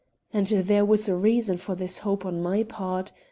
And there was reason for this hope on my part.